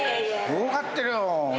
儲かってるよ！